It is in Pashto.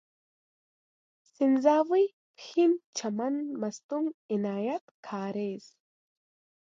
سنځاوۍ، پښين، چمن، مستونگ، عنايت کارېز